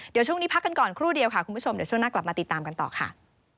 เดี๋ยวช่วงนี้พักกันก่อนครู่เดียวค่ะคุณผู้ชมเดี๋ยวช่วงหน้ากลับมาติดตามกันต่อค่ะ